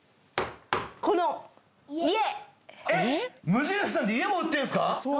このえっ無印さんって家も売ってんですか？